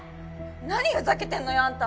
何ふざけてんのよあんた。